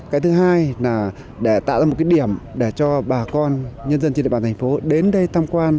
cái thứ hai là để tạo ra một cái điểm để cho bà con nhân dân trên địa bàn thành phố đến đây tham quan